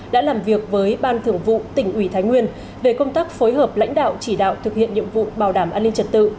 đã làm việc với ban thường vụ tỉnh ủy thái nguyên về công tác phối hợp lãnh đạo chỉ đạo thực hiện nhiệm vụ bảo đảm an ninh trật tự